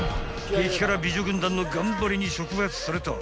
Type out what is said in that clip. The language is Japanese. ［激辛美女軍団の頑張りに触発された］